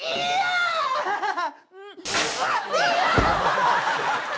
ハハハハ！